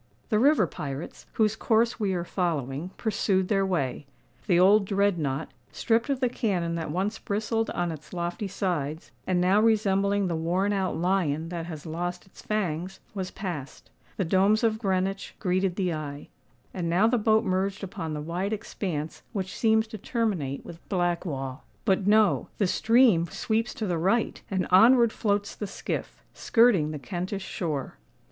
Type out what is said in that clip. The river pirates, whose course we are following, pursued their way: the old Dreadnought, stripped of the cannon that once bristled on its lofty sides, and now resembling the worn out lion that has lost its fangs, was passed;—the domes of Greenwich greeted the eye;—and now the boat merged upon the wide expanse which seems to terminate with Blackwall. But, no! the stream sweeps to the right; and onward floats the skiff—skirting the Kentish shore.